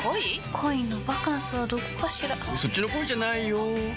恋のバカンスはどこかしらそっちの恋じゃないよ